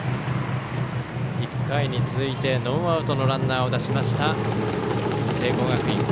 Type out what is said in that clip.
１回に続いて、ノーアウトのランナーを出しました聖光学院。